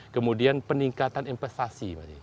kemudian peningkatan investasi